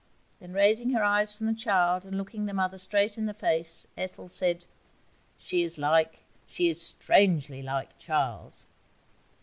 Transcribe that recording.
Then raising her eyes from the child and looking the mother straight in the face, Ethel said 'She is like, she is strangely like, Charles.'